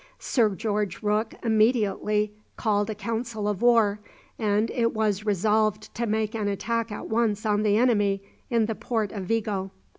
Sir George Rooke immediately called a council of war, and it was resolved to make an attack at once on the enemy in the port of Vigo.